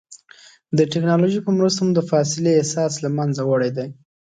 د ټکنالوجۍ په مرسته مو د فاصلې احساس له منځه وړی دی.